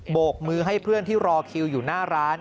กมือให้เพื่อนที่รอคิวอยู่หน้าร้าน